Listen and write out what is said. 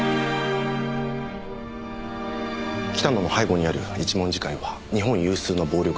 北野の背後にある一文字会は日本有数の暴力団組織です。